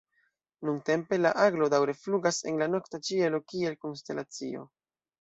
Nuntempe la Aglo daŭre flugas en la nokta ĉielo kiel konstelacio.